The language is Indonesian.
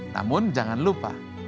namun jangan lupa